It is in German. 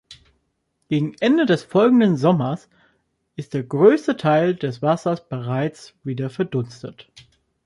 Gegen Ende des folgenden Sommers ist der größte Teil des Wassers bereits wieder verdunstet.